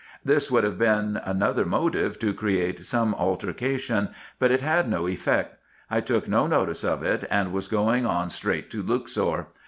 This would have been another motive to create some altercation, but it had no effect ; I took no notice of it, and was going on straight to Luxor.